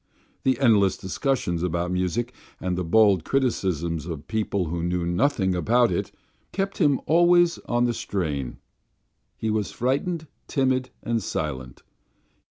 The endless discussions about music and the bold criticisms of people who knew nothing about it kept him always on the strain; he was frightened, timid, and silent.